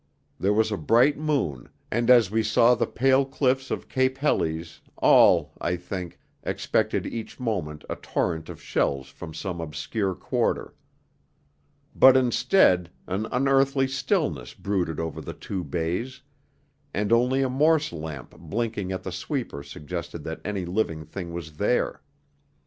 There was a bright moon, and as we saw the pale cliffs of Cape Helles, all, I think, expected each moment a torrent of shells from some obscure quarter. But instead an unearthly stillness brooded over the two bays, and only a Morse lamp blinking at the sweeper suggested that any living thing was there.